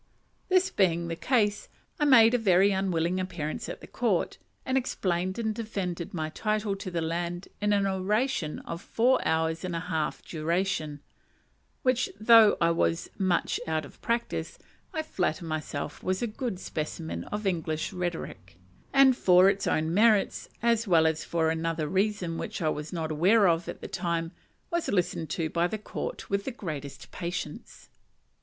This being the case, I made a very unwilling appearance at the court, and explained and defended my title to the land in an oration of four hours' and a half duration; and which, though I was much out of practice, I flatter myself was a good specimen of English rhetoric, and, for its own merits as well as for another reason which I was not aware of at the time was listened to by the court with the greatest patience.